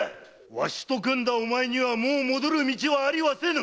わしと組んだお前にはもう戻る道はありはせぬ！